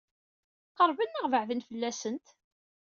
Qeṛben neɣ beɛden fell-asent?